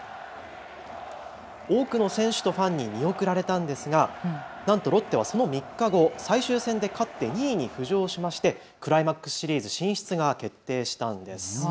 多くの選手とファンに見送られたんですがなんとロッテはその３日後、最終戦で勝って２位に浮上しまして、クライマックスシリーズ進出が決定したんですね。